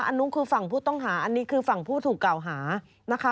อันนั้นคือฝั่งผู้ต้องหาอันนี้คือฝั่งผู้ถูกกล่าวหานะคะ